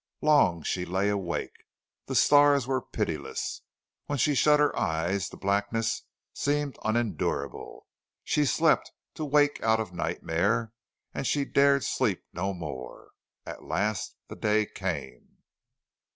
Long she lay awake. The stars were pitiless. When she shut her eyes the blackness seemed unendurable. She slept, to wake out of nightmare, and she dared sleep no more. At last the day came.